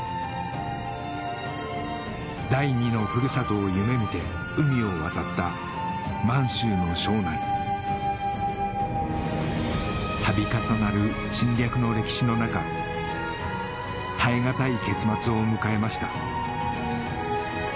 第二の古里を夢見て海を渡った満州の庄内度重なる侵略の歴史の中耐え難い結末を迎えました